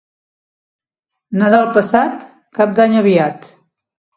Nadal passat, Cap d'Any aviat.